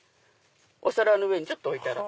お皿の上にちょっと置いたら。